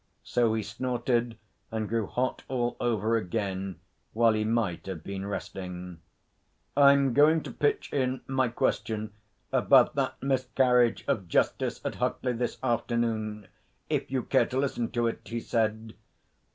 So he snorted and grew hot all over again while he might have been resting. 'I'm going to pitch in my question about that miscarriage of justice at Huckley this afternoon, if you care to listen to it,' he said.